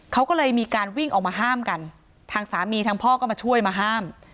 เขาก็เลยมีการวิ่งออกมาห้ามกันทางสามีทางพ่อก็มาช่วยมาห้าม